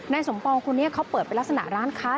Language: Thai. นายสมปองคุณเนี่ยเขาเปิดไปลักษณะร้านค้า